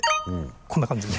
こんな感じの。